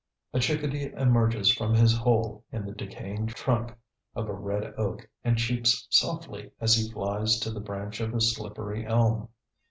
A chickadee emerges from his hole in the decaying trunk of a red oak and cheeps softly as he flies to the branch of a slippery elm.